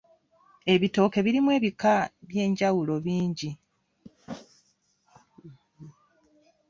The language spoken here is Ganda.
Ebitooke birimu ebika eby'enjawulo bingi .